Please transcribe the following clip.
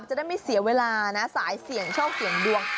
จะได้ไม่เสียเวลานะสายเสี่ยงโชคเสี่ยงดวง